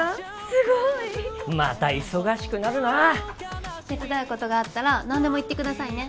すごい！また忙しくなるな手伝うことがあったら何でも言ってくださいね